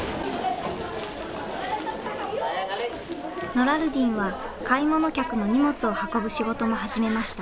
ノラルディンは買い物客の荷物を運ぶ仕事も始めました。